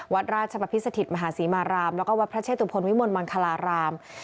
วัดราชประพิสถิตมหาศรีมารามแล้วก็วัดพระเชตุพลวิมลมังคลาราม